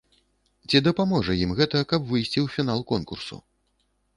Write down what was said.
Ці дапаможа ім гэта, каб выйсці ў фінал конкурсу?